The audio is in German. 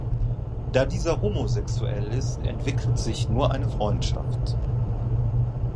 Da dieser homosexuell ist, entwickelt sich nur eine Freundschaft.